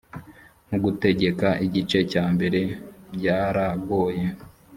mu gutegeka igice cya mbere byaragoye